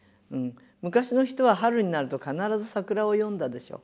昔の人は春になると必ず桜を詠んだでしょう。